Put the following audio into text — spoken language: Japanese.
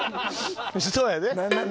そうやで。